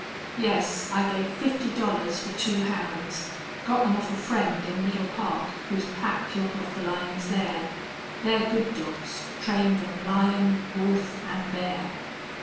"Yes, I gave fifty dollars for two hounds. Got them of a friend in Middle Park whose pack killed off the lions there. They're good dogs, trained on lion, wolf, an' bear."